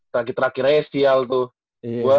terakhir terakhirnya ya sial tuh